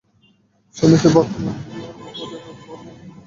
শুনেছি, বর্তমান মেয়র মহোদয় নতুন ভবন নির্মাণের জন্য চেষ্টা চালিয়ে যাচ্ছেন।